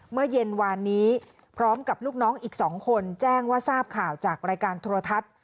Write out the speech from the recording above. เมื่อเย็นวานนี้พร้อมกับลูกน้องอีก๒คนแจ้งว่าทราบข่าวจากรายการโทรทัศน์